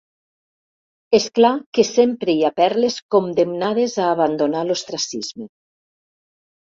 És clar que sempre hi ha perles condemnades a abandonar l'ostracisme.